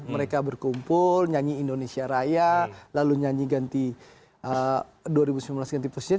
mereka berkumpul nyanyi indonesia raya lalu nyanyi ganti dua ribu sembilan belas ganti presiden